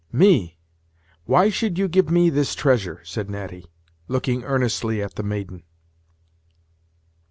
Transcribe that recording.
"Me! why should you give me this treasure!" said Natty, looking earnestly at the maiden.